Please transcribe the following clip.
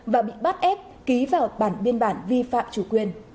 và bị bắt ép ký vào bản biên bản vi phạm chủ quyền